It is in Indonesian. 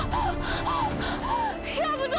sebenarnya siapa siapa ini kan